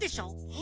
え？